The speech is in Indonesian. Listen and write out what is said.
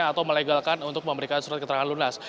atau melegalkan untuk memberikan surat keterangan lunas